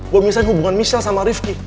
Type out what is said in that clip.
gue unggahin hubungan michelle sama rifqi